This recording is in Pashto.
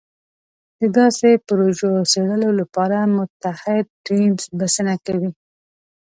د داسې پروژو څېړلو لپاره متعهد ټیم بسنه کوي.